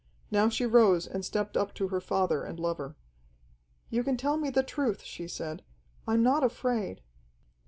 Now she rose and stepped up to her father and lover. "You can tell me the truth," she said. "I'm not afraid."